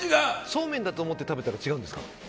そうめんだと思って食べたら違うんですか？